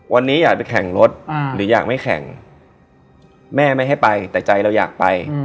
วันนี้อยากไปแข่งรถหรืออยากไม่แข่งแม่ไม่ให้ไปแต่ใจเราอยากไป